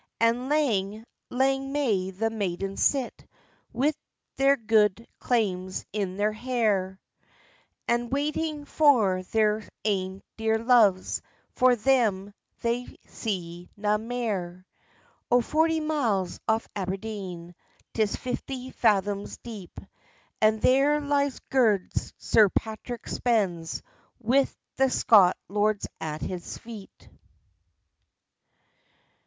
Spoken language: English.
And lang, lang may the maidens sit, Wi' their goud kaims in their hair, A' waiting for their ain dear loves! For them they'll see na mair. O forty miles off Aberdeen, 'Tis fifty fathoms deep, And there lies gude Sir Patrick Spens, Wi' the Scots lords at his feet.